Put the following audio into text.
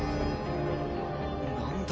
「何だ？